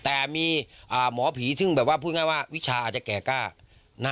แต่มีหมอผีซึ่งแบบว่าพูดง่ายว่าวิชาอาจจะแก่กล้า